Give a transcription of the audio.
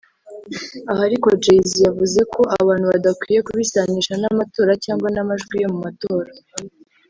Aha ariko Jay-Z yavuze ko abantu badakwiye kubisanisha n’amatora cyangwa n’amajwi yo mu matora